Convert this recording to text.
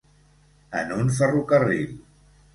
En un ferrocarril.